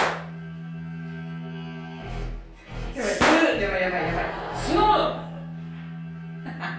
ヤバいヤバいヤバい。